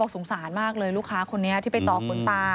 สงสารมากเลยลูกค้าคนนี้ที่ไปต่อคุณตา